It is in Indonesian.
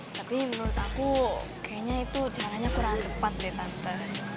tapi menurut aku kayaknya itu caranya kurang tepat deh tante